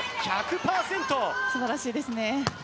素晴らしいですね。